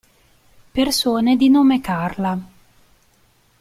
Persone di nome Carla